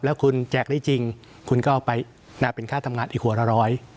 แล้วคุณแจกได้จริงคุณก็เอาไปเป็นค่าทำงานอีกหัวละร้อย